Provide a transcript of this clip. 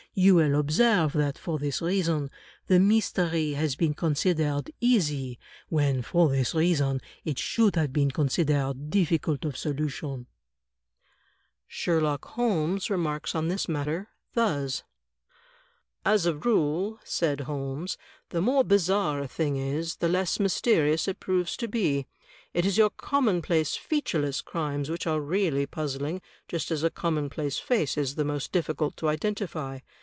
You will observe that, for this reason, the mystery CLOSE OBSERVATION 139 has been considered easy, when, for this reason, it should have been considered diflScult of solution' Sherlock Holmes remarks on this matter thus: "As a rule," said Holmes, "the iiiore bizarre a thing is the less mysterious it proves to be. It is your commonplace, featureless crimes which are really puzzling, just as a commonplace face is the most difficult to identify.